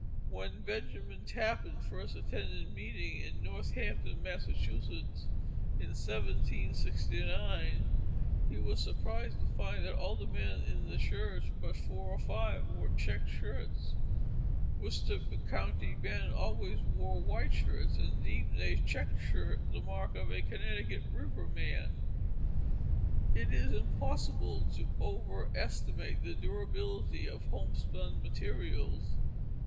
When Benjamin Tappan first attended meeting in Northampton, Massachusetts, in 1769, he was surprised to find that all the men in the church but four or five wore checked shirts. Worcester County men always wore white shirts, and deemed a checked shirt the mark of a Connecticut River man. It is impossible to overestimate the durability of homespun materials.